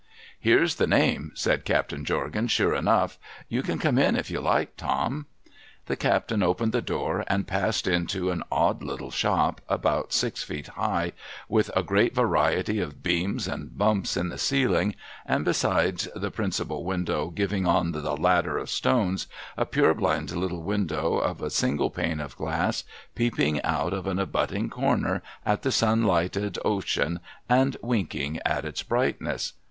* Here's the name,' said Captain Jorgan, ' sure enough. You can come in if you like, Tom.' The captain opened the door, and passed into an odd little shop, about six feet high, with a great variety of beams and bumps in the ceiling, and, besides the principal window giving on the ladder of stones, a purblind little window of a single pane of glass, peeping out of an abutting corner at the sun lighted ocean, and v.inking at its brightness.